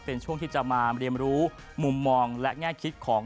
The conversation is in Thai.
เป็นช่วงที่จะมาเรียนรู้มุมมองและแง่คิดของ